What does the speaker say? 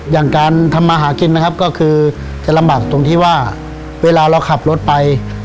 อย่างการทำมาหากินนะครับก็คือจะลำบากตรงที่ว่าเวลาเราขับรถไป